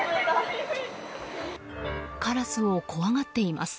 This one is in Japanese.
カラスを怖がっています。